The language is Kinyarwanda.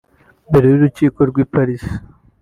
Imbere y’urukiko rw’i Paris